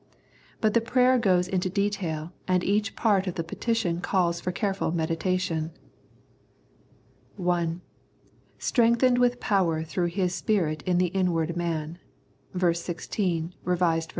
But the prayer goes into detail and each part of the petition calls for careful meditation. (i) " Strengthened with power through His Spirit in the inward man " (ver. 16, R.V.).